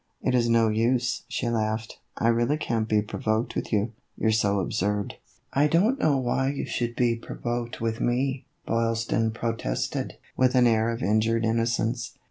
" It is no use," she laughed, " I really can't be provoked with you, you 're so absurd." THE EVOLUTION OF A BONNET. 131 ' I don't know why you should be provoked with me," Boylston protested, with an air of injured inno cence.